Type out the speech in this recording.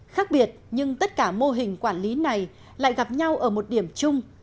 khác biệt nhưng tất cả mô hình quản lý này lại gặp nhau ở một điểm chung